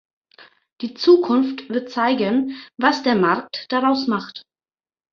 Die Zukunft wird zeigen, was der Markt daraus macht.